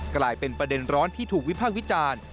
กลายเป็นประเด็นร้อนที่ถูกวิพากษ์วิจารณ์